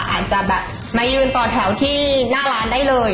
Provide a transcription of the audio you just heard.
อาจจะแบบมายืนต่อแถวที่หน้าร้านได้เลย